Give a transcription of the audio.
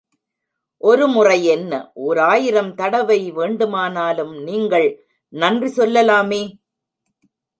ஒரு முறை என்ன, ஓராயிரம் தடவை வேண்டுமானலும் நீங்கள் நன்றி சொல்லலாமே?